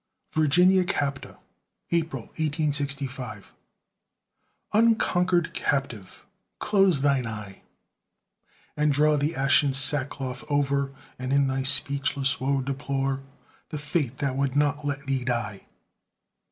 VIRGINIA CAPTA APRIL, 1865 Unconquer'd captive! close thine eye, And draw the ashen sackcloth o'er, And in thy speechless woe deplore The fate that would not let thee die!